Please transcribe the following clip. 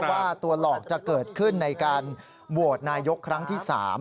ว่าตัวหลอกจะเกิดขึ้นในการโหวตนายกครั้งที่๓